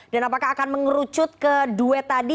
dan apakah akan mengerucut ke duet tadi